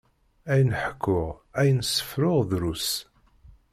Ayen ḥkuɣ, ayen sefruɣ drus.